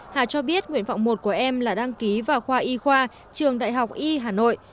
hà cho biết nguyện vọng một của em là đăng ký vào khoa y khoa trường đại học y hà nội